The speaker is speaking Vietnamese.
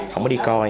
không có đi coi